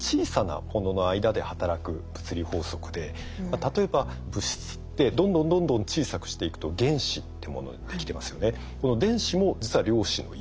例えば物質ってどんどんどんどん小さくしていくと原子っていうものでできてますよね。